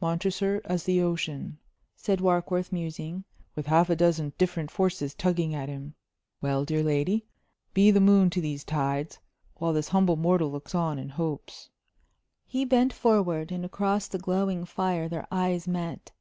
"Montresor as the ocean," said Warkworth, musing, "with half a dozen different forces tugging at him? Well, dear lady, be the moon to these tides, while this humble mortal looks on and hopes." He bent forward, and across the glowing fire their eyes met.